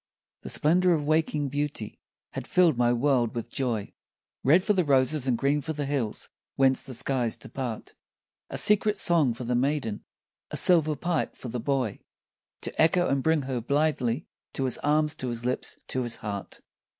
The splendour of waking beauty had filled my world with joy, Red for the roses and green for the hills whence the skies depart, A secret song for the maiden, a silver pipe for the boy, To echo and bring her blithely, to his arms, to his lips, to his heart.